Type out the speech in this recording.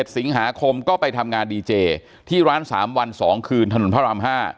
๑สิงหาคมก็ไปทำงานดีเจที่ร้าน๓วัน๒คืนถนนพระราม๕